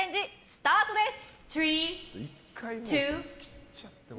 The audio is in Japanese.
スタートです。